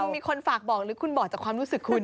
มีคนฝากบอกหรือคุณบอกจากความรู้สึกคุณ